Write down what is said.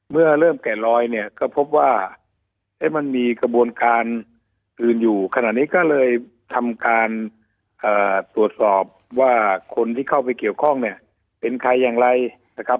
เมื่อเริ่มแก่รอยเนี่ยก็พบว่ามันมีกระบวนการอื่นอยู่ขณะนี้ก็เลยทำการตรวจสอบว่าคนที่เข้าไปเกี่ยวข้องเนี่ยเป็นใครอย่างไรนะครับ